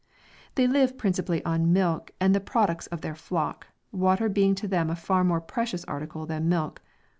They live principally on milk and the products of their flocks, water being to them a far more precious article than milk.